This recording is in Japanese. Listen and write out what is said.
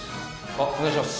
あっお願いします